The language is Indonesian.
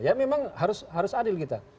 ya memang harus adil kita